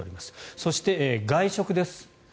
そして外食です。